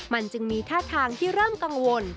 มันจึงมีท่าทางที่เริ่มกังวล